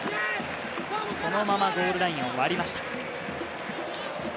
そのままゴールラインを割りました。